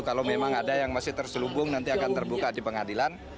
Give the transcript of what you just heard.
kalau memang ada yang masih terselubung nanti akan terbuka di pengadilan